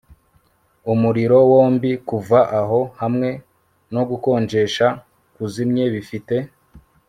Umuriro wombi kuva aho hamwe no gukonjesha kuzimye bifite